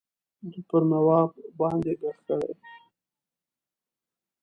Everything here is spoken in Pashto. ده پر نواب باندي ږغ کړی.